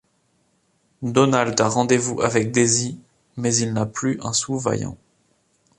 Donald a rendez-vous avec Daisy mais il n'a plus un sou vaillant.